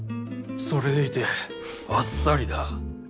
それでいてあっさりだ。